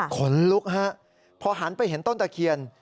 ขนลุกฮะพอหันไปเห็นต้นตะเคียน